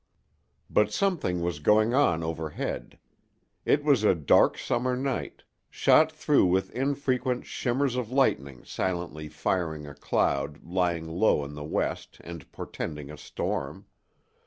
But something was going on overhead. It was a dark summer night, shot through with infrequent shimmers of lightning silently firing a cloud lying low in the west and portending a storm.